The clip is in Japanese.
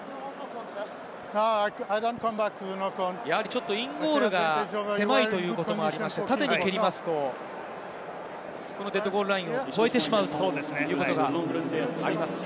ちょっとインゴールが狭いということもあって縦に蹴りますと、デッドボールラインを超えてしまうということがあります。